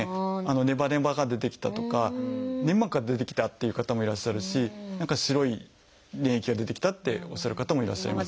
「ネバネバが出てきた」とか「粘膜が出てきた」って言う方もいらっしゃるし「何か白い粘液が出てきた」っておっしゃる方もいらっしゃいます。